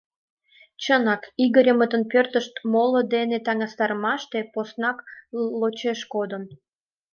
Чынак, Игорьмытын пӧртышт моло дене таҥастарымаште поснак лочеш кодын.